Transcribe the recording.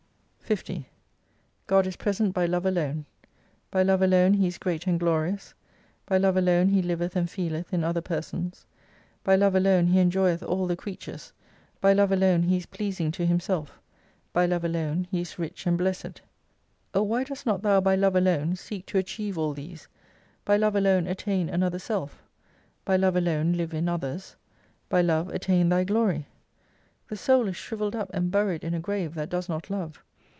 115 50 God is present by Love alone. By Love alone He is great and glorious. By Love alone He liveth and f eeleth in other persons. By Love alone He enjoyeth all the creatures, by Love alone He is pleasing to Himself, by love alone He is rich and blessed. O why dost not thou by Love alone seek to achieve all these, by Love alone attain another self, by Love alone live in others, by Love attain thy glory ? The Soul is shrivelled up and buried in a grave that does not Love.